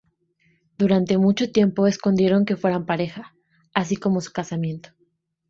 Durante mucho tiempo escondieron que fueran pareja, así como su casamiento.